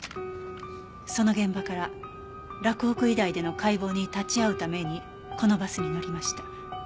その現場から洛北医大での解剖に立ち会うためにこのバスに乗りました。